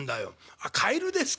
「あっカエルですか。